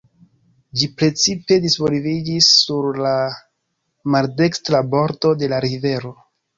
Ĝi precipe disvolviĝis sur la maldekstra bordo de la rivero.